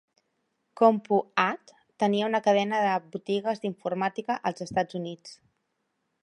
CompuAdd tenia una cadena de botigues d'informàtica als Estats Units.